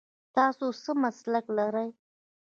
تاسو څه مسلک لرئ ؟